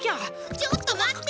ちょっと待って！